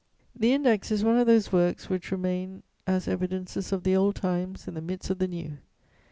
The Index is one of those works which remain as evidences of the old times in the midst of the new.